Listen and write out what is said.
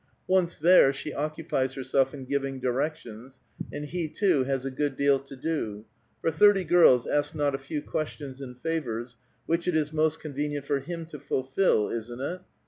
Once there she occupies herself in giving directions, and he too has a good deal to do ; for thirty girls ask not a few questions and favors, which it is most convenient for him to fullil, isn't it?